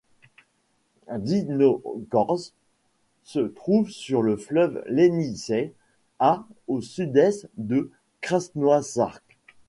Divnogorsk se trouve sur le fleuve Ienisseï, à au sud-est de Krasnoïarsk.